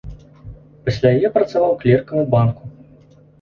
Пасля яе працаваў клеркам у банку.